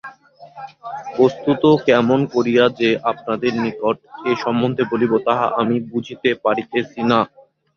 বস্তুত কেমন করিয়া যে আপনাদের নিকট এ-সম্বন্ধে বলিব, তাহা আমি বুঝিতে পারিতেছি না।